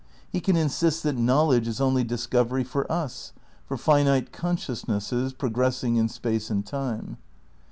He can insist that knowledge is only discovery for us, for finite consciousnesses progress ing in space and time.